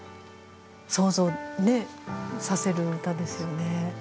想像させる歌ですよね。